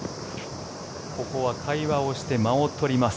ここは会話をして間を取ります。